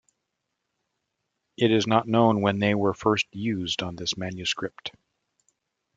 It is not known when they were first used on this manuscript.